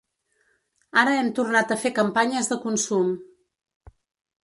Ara hem tornat a fer campanyes de consum.